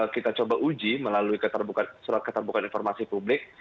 kita coba uji melalui surat keterbukaan informasi publik